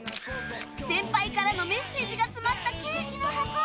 先輩からのメッセージが詰まったケーキの箱